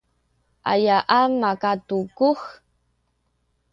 ayaan makatukuh?